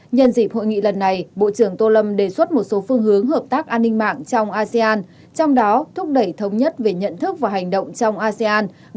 nhân dịp hội nghị lần này bộ trưởng tô lâm đề xuất một số phương hướng hợp tác an ninh mạng trong asean trong đó thúc đẩy thống nhất về nhận thức và hành động trong asean